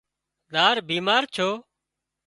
زار بيمار ڇو